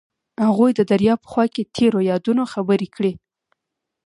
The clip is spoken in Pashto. هغوی د دریا په خوا کې تیرو یادونو خبرې کړې.